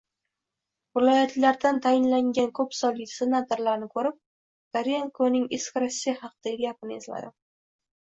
Viloyatlardan tayinlangan ko'p sonli senatorlarni ko'rib, Dorenkoning "eski Rossiya" haqidagi gapini esladim